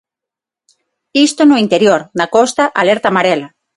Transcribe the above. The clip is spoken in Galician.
Isto no interior, na costa, alerta amarela.